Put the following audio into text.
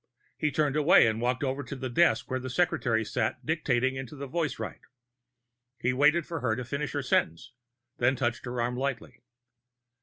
He turned away and walked over to the desk where the secretary sat dictating into a voicewrite. He waited for her to finish her sentence, then touched her arm lightly.